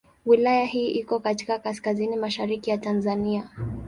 Wilaya hii iko katika kaskazini mashariki ya Tanzania.